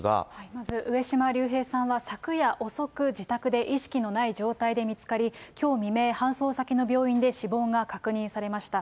まず、上島竜兵さんは昨夜遅く、自宅で意識のない状態で見つかり、きょう未明、搬送先の病院で死亡が確認されました。